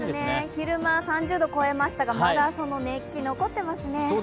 昼間、３０度を超えましたが、まだその熱気が残っていますね。